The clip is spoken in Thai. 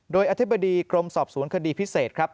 โดยอธิบดีกรมสอบสวนคดีพิเศษครับ